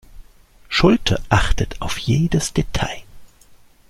Schulte achtet auf jedes Detail.